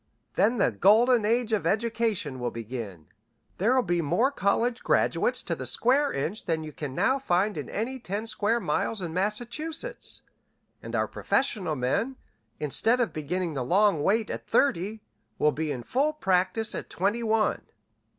Then the golden age of education will begin. There'll be more college graduates to the square inch than you can now find in any ten square miles in Massachusetts, and our professional men, instead of beginning the long wait at thirty, will be in full practice at twenty one."